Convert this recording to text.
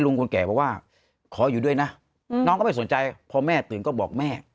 คนแก่บอกว่าขออยู่ด้วยนะน้องก็ไม่สนใจพอแม่ตื่นก็บอกแม่